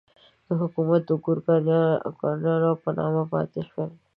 دا حکومتونه د ګورکانیانو په نامه پاتې شول.